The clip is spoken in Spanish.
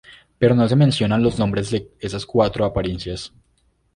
Pero no se mencionan los nombres de esas cuatro apariencias.